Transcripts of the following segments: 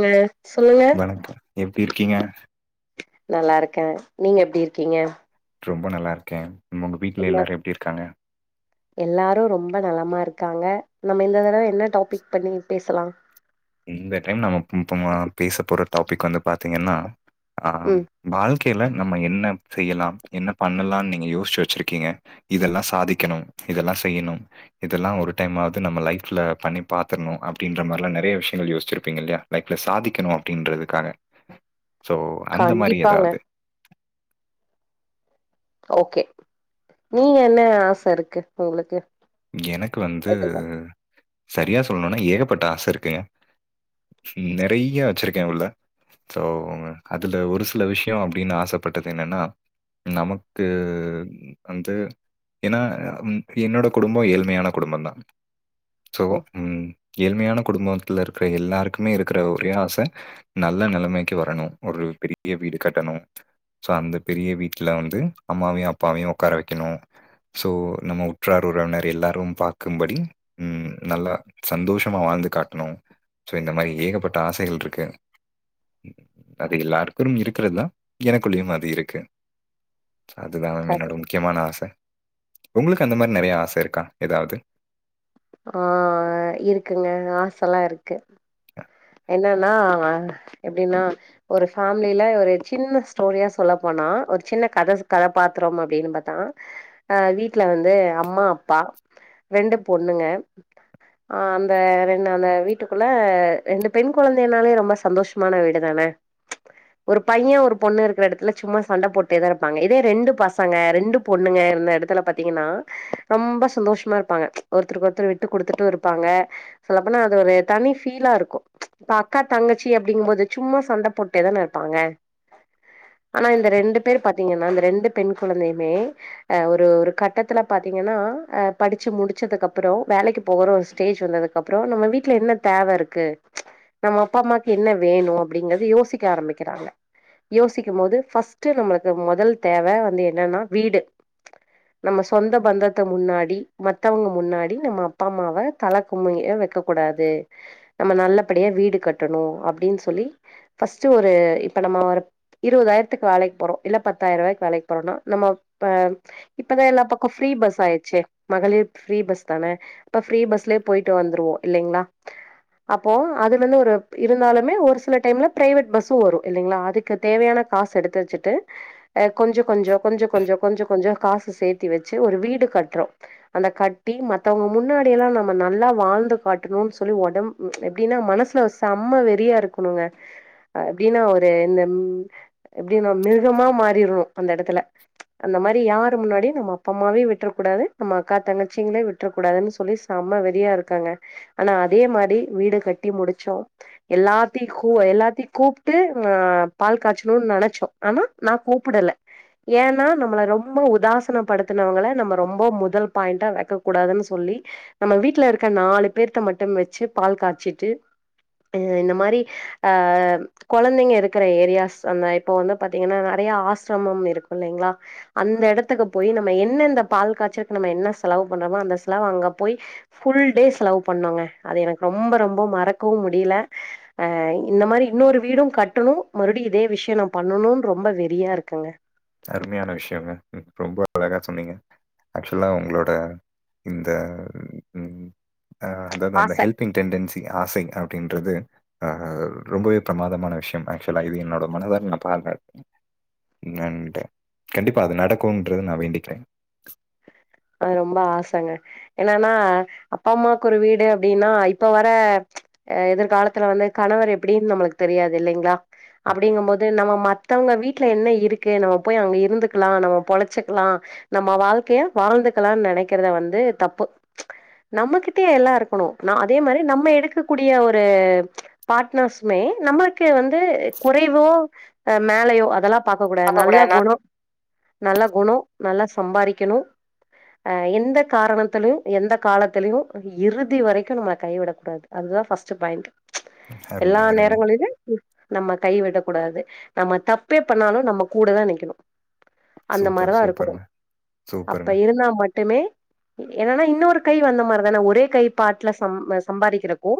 ங்க சொல்லுங்க வணக்கம் எப்டிருக்கீங்க நல்லாருக்கே நீங்க எப்டி இருக்கீங்க ரொம்ப நல்லாருக்கே உங்க வீட்ல இல்ல எல்லாரு எப்டி இருக்காங்க எல்லாரு ரொம்ப நலமா இருக்காங்க நம்ம இந்த தடவ என்ன டாபிக் பண்ணி பேசலா இந்த டைம் நம்ம பேச போற டாபிக் வந்து பாத்தீங்கன்னா ஆ ம் வாழ்க்கைல நம்ம என்ன செய்யலா என்ன பண்ணலானு நீங்க யோசிச்சு வச்சிருக்கீங்க இதெல்லா சாதிக்கணு இதெல்லா செய்யணு இதெல்லா ஒரு டைமாவது நம்ம லைஃப்ல பண்ணி பாத்துரணு அப்டின்ற மாரிலா நெறைய விஷய ங்கள் யோசிச்சிருப்பீங்க இல்லையா லைஃப்ல சாதிக்கணு அப்டின்றதுக்காக சோ அந்த மாரி கண்டிப்பாங்க எதாவது ஓகே நீங்க என்ன ஆச இருக்கு உங்களுக்கு எனக்கு வந்து எதுல சரியா சொல்லணுனா ஏகப்பட்ட ஆச இருக்குங்க நெறைய வச்சிருக்கே உள்ள சோ அதுல ஒரு சில விஷயோ அப்டின்னு ஆசப்பட்டது என்னன்னா நமக்கு வந்து ஏன்னா ம் என்னோட குடும்போ ஏழ்மையான குடும்பந்தா ஸோ ஓ ஏழ்மையான குடும்பத்துல இருக்குற எல்லாருக்குமே இருக்குற ஒரே ஆச நல்ல நெலமைக்கு வரணு ஒரு பெரிய வீடு கட்டணு சோ அந்த பெரிய வீட்ல வந்து அம்மாவையு அப்பாவையு உக்கார வைக்கணு சோ நம்ம உற்றார் உறவினர் எல்லாரு பாக்கும்படி ம் நல்லா சந்தோஷமா வாழ்ந்து காட்டணு சோ இந்த மாரி ஏகப்பட்ட ஆசைகள் இருக்கு அது எல்லாருக்கு இருக்குறதுதா எனக்குள்ளேயு அது இருக்கு அதுதா காட்டு என்னோட முக்கியமான ஆச உங்களுக்கு அந்த மாரி நெறையா ஆச இருக்கா எதாவது ஆ இருக்குங்க ஆசல்லா இருக்கு ஆஹ என்னன்னா எப்டின்னா ஒரு ஃபேம்லில ஒரு சின்ன ஸ்டோரியா சொல்ல போனா ஒரு சின்ன கதை கதாபாத்திரோ அப்படின்னு பாத்தா அ வீட்டுல வந்து அம்மா அப்பா ரெண்டு பொண்ணுங்க ஆ அந்த ரெண்டு அந்த வீட்டுக்குள்ள ரெண்டு பெண் கொழந்தைனாலே ரொம்ப சந்தோஷமான வீடு தான ஒரு பையே ஒரு பொண்ணு இருக்குற எடத்துல சும்மா சண்ட போட்டேதா இருப்பாங்க இதே ரெண்டு பசங்க ரெண்டு பொண்ணுங்க இருந்த எடத்துல பாத்திங்கன்னா ரொம்ப சந்தோஷமா இருப்பாங்க ஒருத்தருக்கு ஒருத்தர் விட்டு குடுத்துட்டு இருப்பாங்க சொல்லப்போனா அது ஒரு தனி ஃபீலா இருக்கு இப்ப அக்கா தங்கச்சி அப்டிங்கு போது சும்மா சண்டே போட்டே தான இருப்பாங்க ஆனா இந்த ரெண்டு பேரு பாத்தீங்கன்னா இந்த ரெண்டு பெண் குழந்தையுமே அ ஒரு ஒரு கட்டத்துல பாத்தீங்கன்னா அ படிச்சு முடிச்சதுக்கு அப்றோ வேலைக்கு போற ஒரு ஸ்டேஜ் வந்ததுக் அப்றோ நம்ம வீட்ல என்ன தேவ இருக்கு நம்ம அப்பா அம்மாக்கு என்ன வேணு அப்டிங்கறது யோசிக்க ஆரம்பிக்கிறாங்க யோசிக்கு போது ஃபர்ஸ்ட்டு நம்மள்து முதல் தேவ வந்து என்னன்னா வீடு நம்ம சொந்த பந்தத்து முன்னாடி மத்தவங் முன்னாடி நம்ம அப்பா அம்மாவ தல குமிய வக்க கூடாது நம்ம நல்லபடியா வீடு கட்டணு அப்டினு சொல்லி ஃபர்ஸ்ட்டு ஒரு இப்ப நம்ம வர் இருவதாயிரத்துக் வேலைக் போறோ இல்ல பத்தாய்ருவாய்கு வேலைக் போறோனா நம்ம ப இப்பதா எல்லா பக்கோ ஃப்ரீ பஸ் ஆயிச்சே மகளிர் ஃப்ரீ பஸ் தானே இப்ப ஃப்ரீ பஸ்லே போயிட்டு வந்துருவோ இல்லிங்களா அப்போ அதுவந்து ஒரு பி இருந்தாலுமே ஒரு சில டைம்ல பிரைவேட் பஸ்ஸு வரு இல்லிங்ளா அதுக் க்கு தேவையான காசு எடுத்து வச்சுட்டு அ கொஞ்சோ கொஞ்சோ கொஞ்சோ கொஞ்சோ கொஞ்சோ கொஞ்சோ காஸ் சேத்தி வச்சு ஒரு வீடு கட்றோ அந்த கட்டி மத்தவங்க முன்னாடி லா நம்ம நல்லா வாழ்ந்து பாட்டணுன் சொல்லி உடம் எப்டின்னா மனசுல செம்ம வெறியா இருக்குணுங்க அப்டினா ஒரு இந்த எப்டின்னா மிருகமா மாறிர்ணு அந்த இடத்துல அந்த மாரி யார் முன்னாடி நம்ம அப்பா அம்மாவயு விட்ற கூடாது நம்ம அக்கா தங்கச்சிங்ளை விட் ட்ற கூடாதுன் சொல்லி செம்ம வெறியா இருக்காங்க ஆனா அதே மாதி வீடு கட்டி முடிச்சோ எல்லாத்தியு கு எல்லாத்தியு கூப்புட்டு ஆ பால் காய்ச்சுணூனு நெனைச்சோ ஆனா நா கூப்புடல ஏனா நம்மள ரொம்ப உதாசன படுத்தினவங்கள நம்ம ரொம்ப முதல் பாயிண்டா வெக்க கூடாதுன்னு சொல்லி நம்ம வீட்ல இருக்க நாலு பேர்த்த மட்டு வச்சு பால் காய்ச்சிட்டு அ இந்த மாரி ஆ குழந்தைங்க இருக்கிற ஏரியாஸ் அந்த இப்ப வந்து பாத்தீங்கன்னா நெறைய ஆசிரமம் இருக் இல்லைங்ளா அந்த இடத்துக்கு போய் நம்ம என்ன இந்த பால் காச்சக் நம்ம என்ன செலவு பண்ணமோ அந்த செலவு அங்க போய் ஃபுல் டே செலவு பண்ணோங்க அது எனக்கு ரொம்ப ரொம்ப மறக்கவு முடில அ இந்த மாரி இன்னொரு வீடு கட்டணு மறுடிபயு இதே விஷய நா பண்ணணுனு ரொம்ப வெறியா இருக்கேங்க அருமையான விஷ்யங்க ரொம்ப அழகா சொன்னீங்க ஆக்சுவ்லா உங்களோட இந்த அ அதாது ஆச அந்த ஹெல்ப் ங் டென்டசி ஆசை அப்டின்றது ஆ ரொம்பவே பிரமாதமான விஷ்யோ ஆக்சுவலா இது என்னோட மனதார நா பாத்தே [unintelligible] கண்டிப்பா அது நடக்குன்றது நா வேண்டிக்றே அது ரொம்ப ஆசங்க என்னனா அப்பா அம்மாக்கு ஒரு வீடு அப்டின்னா இப்ப வர ஆ எதிர்காலத்துல வந்து கணவர் எப்டின்னு நமக்கு தெரியாது இல்லைங்ளா அப்டிங்கு போது நம்ம மத்தவங்க வீட்ல என்ன இருக்கு நம்ம போய் அங்க இருந்துக்லா நம்ம பொழச்சுக்லா நம்ம வாழ்கைய வாழ்ந்துக்லா நனைக்கிறத வந்து தப்பு நம்மகிட்யே எல்லா இருக்கணு நா அதே மாரி நம்ம எடுக்கக்கூடிய ஒரு பாட்னர்ஸுமே நம்ளுக்கு வந்து குறைவோ அ மேலயோ அதலா பாக்க கூடாது நல்ல குணோ நல்ல குணோ நல்லா சம்பாரிக்கணு அ எந்த காரணத்திலுயு எந்த காலத்திலுயு இறுதி வரைக்கு நம்ம கைவிடக் கூடாது அதுதா ஃபஸ்ட்டு பாயிண்ட் ப்ச் எல்லா அருமை, அருமை. நேரங்களியுமே நம்ம கைவிடக் கூடாது நம்ம தப்பே பண்ணாலு நம்ம கூட தா நிக்குணு சூப்பர் சூப்பர்ங்க அப்ப இருந்தா மட்டுமே என்னனா இன்னொரு கை வந்த மார்தான ஒரே கை பாட்ல சம் அ சம்பாதிக்கிறப்போ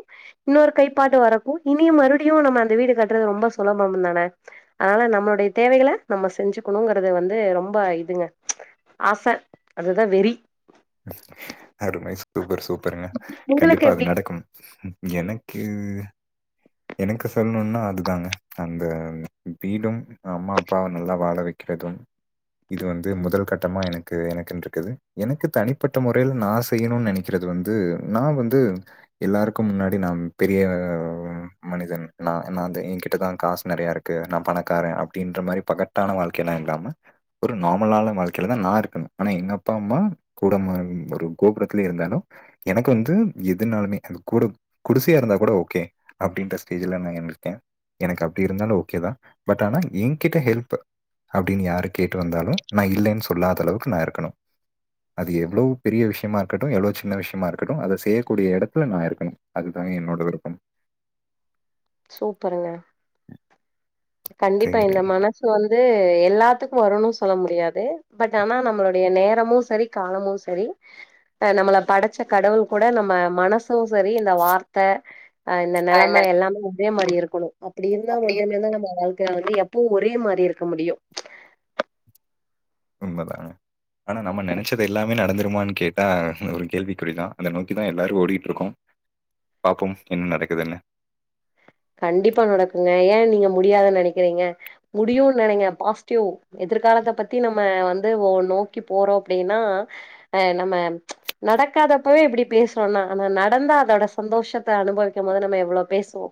இன்னொரு கைப்பாட்டு வரக்கு இனியு மறுவடியு நம்ம அந்த வீடு கட்டுறது ரொம்ப சுலபம் தானே அதனால நம்ளோடைய தேவைகள நம்ம செஞ்சுக்ணுங்கறது வந்து ரொம்ப இதுங்க ஆச அதுதா வெறி அருமை சூப்பர் சூப்பருங்க உங்களுக்கு கண்டிப்பா அது எப்டி நடக்கும் ம் எனக்கு எனக்கு சொல்ணுன்னா அதுதாங்க அங்க வீடும் அம்மா அப்பாவ நல்லா வாழ வெக்கிறதும் இது வந்து முதல் கட்டமா எனக்கு எனக்குன்ருக்குது எனக்கு தனிப்பட்ட முறைல நா செய்யணுனு நெனைக் க்கிறது வந்து நா வந்து எல்லாருக்கு முன்னாடி நா பெரிய மனிதன் நா நாந்தே எங்கிட்டதா காசு நெறைய இருக்கு நா பணக்காரே அப்டின்ற மாரி பகட் டான வாழ்க்கைன இல்லாம ஒரு நார்மலான வாழ்க்கைலதா நா இருக்கணு ஆனா எங்க அப்பா அம்மா கூடமா [inaudible] ஒரு கோபுரத்துலே இருந்தாலு எனக்கு வந்து எதுனாலுமே அது கூட குடிசயா இருந்தா கூட ஓகே அப்டின்ற ஸ்டேஜ்ல நா இருந்திருகே எனக்கு அப்டி இருந்தாலு ஓகேதா பட் ஆனா எங்கிட்ட ஹெல்ப்பு அப்டின் யாரு கேட்டு வந்தாலு நா இல்லேன் சொல்லாதளவுக்கு நா இருக்கணு அது எவ்ளோ பெரிய விஷயமா இருக்கட்டு எவ்ளோ சின்ன விஷயமா இருக்கட்டு அத செய்யக்கூடிய எடத்துல நா இருக்கணு அதுதா என்னோட விருப்பம் சூப்பருங்க கண்டிப்பா இந்த சரிங்க. மன சு வந்து எல்லாத்துக்கு வருணு சொல்ல முடியாது பட் ஆனா நம்ளோடைய நேரமு செரி காலமு செரி அ நம்மள படச்ச கடவுள் கூட நம்ம மனசும் செரி இந்த வார்த்த அ இந்த ஆ என்ன நெலம எல்லாமே இத்தே மாரி இருக்கணு அப்டி இருந்தா அப்படி இரு மட்டுமே தா நம்ப வாழ்க்கைல வந்து எப்போ ஒரே மாரி இருக்க முடியு உண்மதாங்க ஆனா நம்ம நெனைச்சது எல்லாமே நடந்துருமான் கேட்டா ஒரு கேள்விக்குறிதா அத நோக்கிதா எல்லாரு ஓடிட்ருக்கோ பாப்போம் என்ன நடக்குதுன்னு கண்டிப்பா நடக்குங்க ஏ நீங்க முடியாது நெனைக்கிறீங்க முடியுன் நெனைங்க பாஸ்ட்டிவ் எதிர்காலத்த பத்தி நம்ம வந்து ஒ நோக்கி போறோ அப்டின்னா அ நம்ம ப்ச் நடக்காதப்பவே இப்டி பேசுறோன்னா ஆனா நடந்தா அதோட சந்தோஷத்த அனுபவிக்கும் போது நம்ம எவ்ளோ பேஸ்வோ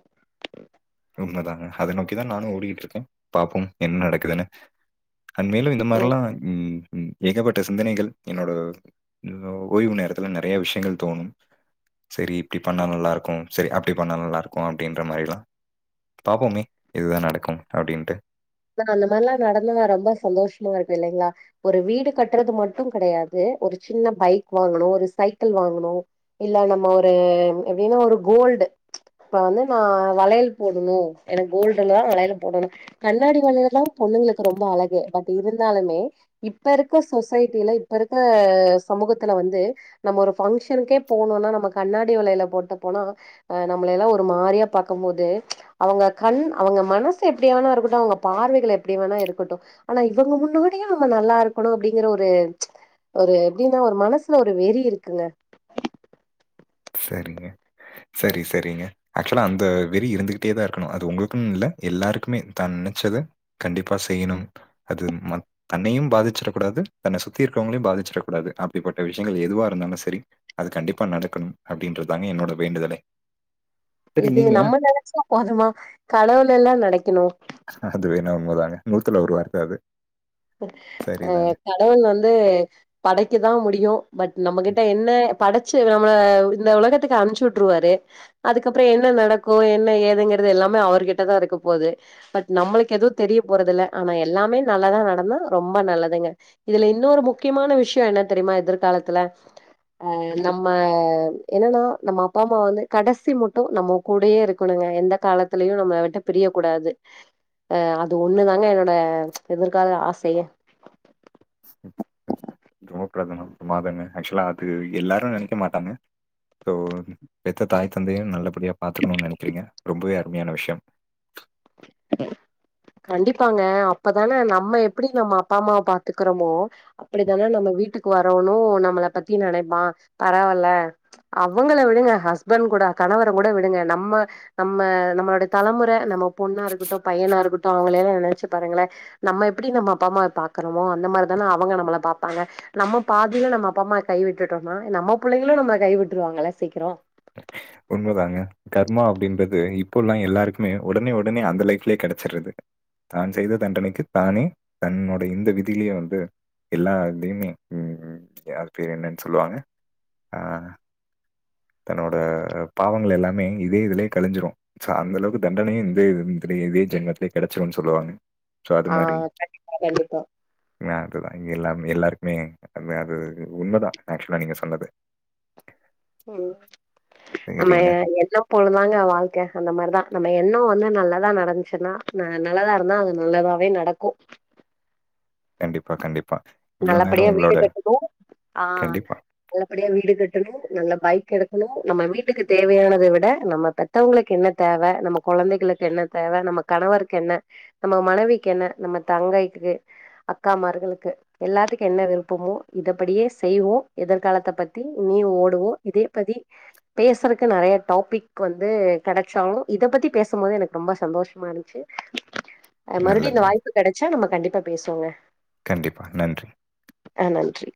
உண்மதாங்க அத நோக்கிதா நானு ஓடிக்கிட்ருக்கே பாப்போம் என்ன நடக்குதுனு கன்வேலு இந்த ம் மாரில்லா ம் ம் ஏகப்பட்ட சிந்தனைகள் என்னோட ஓ ஓய்வு நேரத்துல நெறைய விஷயங்கள் தோணும் செரி இப்டி பண்ணா நல்லாருக்கு செரி அப்டி பண்ணா நல்லா இருக்கு அப்டின்ற மாரிலா பாப்போமே எதுதா நடக்கும் அப்டின்ட்டு லா அந்த மாரிலா நடந்தனா ரொம்ப சந்தோஷமா இருக்கு இல்லேங்களா ஒரு வீடு கட்டுறது மட்டு கெடையாது ஒரு சின்ன பைக் வாங்கணு ஒரு சைக்கிள் வாங்கணு இல்ல நம்ம ஒரு எப்டினா ஒரு கோல்டு ப்ச் இப்ப வந்து நா வளையல் போடணு எனக்கு கோல்ட்ருந்தா வளையல் போடணு கண் கண்ணாடி வளையல்லா பொண்ணுங்களுக்கு ரொம்ப அழகு பட் இருந்தாலுமே இப்ப இருக்க சொசைட்டில இப்ப இருக்க சமூகத்துல வந்து நம்ம ஒரு ஃபங்க்ஷனுக்கே போனோனா நம்ம கண்ணாடி வளையல போட்டு போனா அ நம்மளல்லா ஒரு மாரியா பாக்கும்போது அவங்க கண் அவங்க மனசு எப்படியாவனா இருக்கட்டு பார்வைகள் எப்படி வேணா இருக்கட்டு ஆனா இவங்க முன்னாடியு நம்ம நல்லா இருக்கணு அப்படிங்கிற ஒரு ஒரு எப்டின்னா ஒரு மனசுல ஒரு வெறி இருக்குங்க சரிங்க சரி சரிங்க ஆக்சுவலா அந்த வெறி இருந்துகிட்டே தா இருக்கணு அது உங்களுக்குன்னு இல்ல எல்லாருக்குமே தா நினைச்சத கண்டிப்பா செய்யணு அது மட் தன்னயு பாதிச்சிட கூடாது தன்ன சுத்தி இருக்கிறவங்களையு பாதிச்சிட கூடாது அப்படிப்பட்ட விஷயங்கள் எதுவா இருந்தாலு சரி அது கண்டிப்பா நடக்கணு அப்படின்றதாங்க என்னோட வேண்டுதலே சரி இது நீங்க நம்ம நெனைச்சா போதுமா கடவுள்லல்லா நெனைக்கணு அது வேனா உண்மதாங்க நூத்துல ஒரு வார்த்த அது அஹ் சரிதாங்க. கடவுள் வந்து படைக்க தா முடியு பட் நம்மகிட்ட என்ன படச்சு நம்மள இந்த உலகத்துக்கு அனுப்ச்சு விட்டுருவாரு அதுக்கப்ரோ என்ன நடக்கு என்ன ஏதுங்கறது எல்லாமே அவர்கிட்டதா இருக்க போது பட் நம்மளுக்கு எதுவு தெரிய போறது இல்ல ஆனா எல்லாமே நல்லாதா நடக் னா ரொம்ப நல்லதுங்க இதுல இன்னொரு முக்கியமான விஷயோ என்ன தெரியுமா எதிர்காலத்துல ஆஹ் நம்ம என்னன்னா நம்ம அப்பா அம்மா வந்து கடைசி முட்டு நம்ம கூடயே இருக்கணுங்க எந்த காலத்திலயு நம்மள விட்டு பிரிய கூடாது அஹ் அது ஒண்ணுதாங்க என்னோட ச் எதிர்கால ஆசயே ட்ராப்ல அது ப்ரமாதங்க ஆக்சுவலா அது எல்லாரு நெனைக்க மாட்டாங்க சோ பெத்த தாய் தந்தையு நல்லபடியா பாத்துக்கணுனு நெனக்கிறீங்க ரொம்பவே அருமையான விஷயம் அ [unintelligible] ஹ் கண்டிப்பாங்க அப்பதானே நம்ம எப்டி நம்ம அப்பா அம்மாவ பாத்துக்றோமோ அப்டித்தானே நம்ம வீட்டுக்கு வர்றவனு நம்மள பத்தி நெனப்பா பரவால அவங்கள விடுங்க ஹஸ்பண்ட் கூட கணவர கூட விடுங்க நம்ம நம்ம நம்மளோடைய தலமுற நம்ம பொண்ணா இருக்கட்டு பையனா இருக்கட்டு அவங்கள எல்லா நெனச்சு பாருங்களே நம்ம எப்டி நம்ம அப்பா அம்மாவ பாக்றோமோ அந்த மாரிதானே அவங்க நம்மள பாப்பாங்க நம்ம பாதில நம்ம அப்பாம்மாய கை விட்டுடோம்னா நம்ம புள்ளைகளு நம்மள கை விட்டுருவாங்கள்ல சீக்கிரோ உண்மதாங்க கர்மா அப்டின்றது இப்போல்லா எல்லாருக்குமே உடனே உடனே அந்த லைஃப்லயே கெடச்சிரது தான் செய்த தண்டனைக்கு தானே தன்னோட இந்த விதிலயே வந்து எல்லா தயுமே உம் யார் பேரு என்னன்னு சொல்லுவாங்க ஆஹ் தன்னோட பாவங்கள் எல்லாமே இதே இதுலயே கழிஞ்சிரு ஷோ அந்த அளவுக்கு தண்டனையு இந்த இதுலயே இதே ஜென்மத்லயே கெடச்சிருன்னு சொல்லுவாங்க சோ அது ஆ மாரி கண்டிப்பா கண்டிப்பா ன அதுதா இங்கே எல்லாமே எல்லாருக்குமே அது அது உண்மைதா ஆக்சுவலா நீங்க சொன்னது உம் நம்ம சரிங்க. எண்ணம் போல தாங்க வாழ்க்க அந்த மாரிதா நம்ம எண்ணோ வந்து நல்லதா நடந்துச்சுன்னா நல்லதா இருந்தா அது நல்லதாவே ந நடக்கு கண்டிப்பா கண்டிப்பா இவ்வளோ நல்லபடியா நேரம் வீடு உங்களோட கட்டணு ஆஹ் கண்டிப்பா. நல்லபடியா வீடு கட்டணு நல்ல பைக் எடுக்கணு நம்ம வீட்டுக்கு தேவையானத விட நம்ம பத் மத்தவங்களுக்கு என்ன தேவ நம்ம கொழந்தைகளுக்கு என்ன தேவ நம்ம கணவருக்கு என்ன நம்ம மனைவிக்கு என்ன நம்ம தங்கைக்கு அக்கா மார்களுக்கு எல்லாத்துக்கு என்ன விருப்பமோ இத படியே செய்வோ எதிர்காலத்த பத்தி இனியு ஓடுவோ இதே பதி பேசுறக்கு நெறய டாபிக் வந்து கெடச்சாலு இத பத்தி பேசும்போது எனக்கு ரொம்ப சந்தோஷ்மா இருந்ச்சு அ மறுபடியு இந்த நல்லதுங்க. வாய்ப்பு கெடச்சா நம்ம கண்டிப்பா பேசுவோங்க கண்டிப்பா நன்றி அ நன்றி